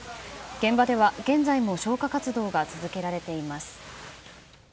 現場では現在も消火活動が続けられています。